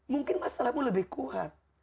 mungkin masalahmu lebih kuat